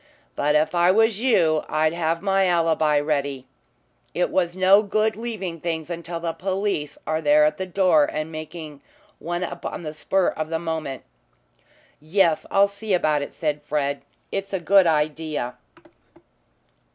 But if I was you I'd have my alibi ready. It is no good leaving things until the police are at the door and making one up on the spur of the moment." "Yes, I'll see about it," said Fred. "It's a good idea."